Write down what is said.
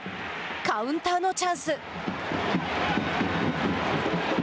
カウンターのチャンス。